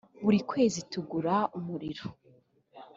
buri kwezi tugura umuriro